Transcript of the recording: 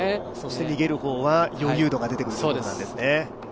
逃げる方は余裕度が出てくるんですね。